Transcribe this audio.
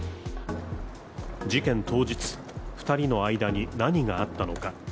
事件当日、２人の間に何があったのか。